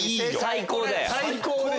最高だよ！